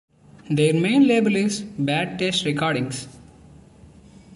Their main label is "Bad Taste Recordings".